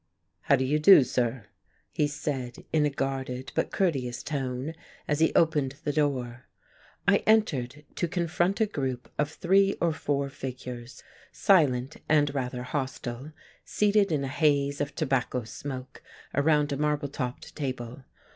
"How do you do, sir," he said, in a guarded but courteous tone as he opened the door. I entered to confront a group of three or four figures, silent and rather hostile, seated in a haze of tobacco smoke around a marble topped table.